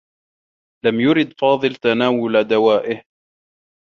لم يرد فاضل تناول دوائه.